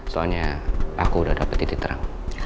soalnya aku udah dapet titik terang